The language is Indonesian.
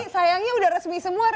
sayangnya udah resmi semua